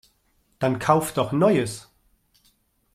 Dann Kauf doch Neues!